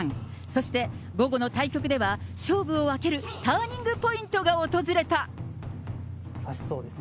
そして午後の対局では、勝負を分けるターニングポイントが訪れた。